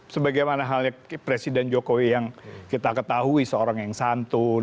sebagaimana halnya presiden jokowi yang kita ketahui seorang yang santun